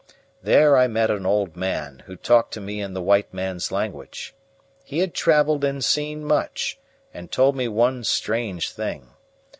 There I met an old man, who talked to me in the white man's language. He had travelled and seen much, and told me one strange thing.